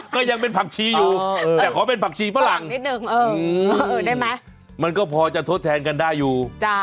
ก็ยังเป็นผักชีอยู่แต่ขอเป็นผักชีฝรั่งนิดนึงได้ไหมมันก็พอจะทดแทนกันได้อยู่